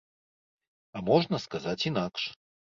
А можна сказаць інакш.